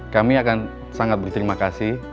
kami akan sangat berterima kasih